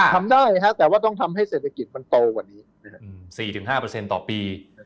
ทำได้แต่ว่าต้องทำให้เศรษฐกิจมันโตกว่านี้๔๕ต่อปี